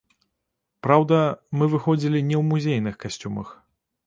Праўда, мы выходзілі не ў музейных касцюмах.